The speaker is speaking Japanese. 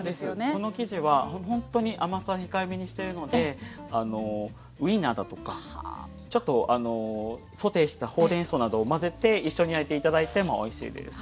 この生地はほんとに甘さ控えめにしてるのでウインナーだとかちょっとソテーしたホウレンソウなどをまぜて一緒に焼いて頂いてもおいしいです。